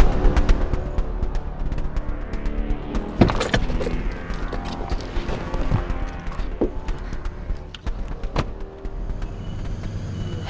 aku juga minta